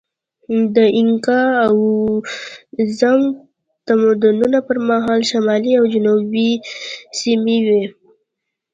د اینکا او ازتک تمدنونو پر مهال شمالي او جنوبي سیمې وې.